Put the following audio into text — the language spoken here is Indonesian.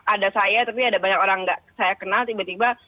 ada saya tapi ada banyak orang saya kenal tiba tiba